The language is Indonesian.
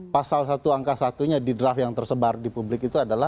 pasal satu angka satunya di draft yang tersebar di publik itu adalah